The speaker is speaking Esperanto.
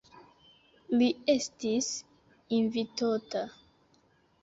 Li estis invitota.